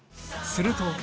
すると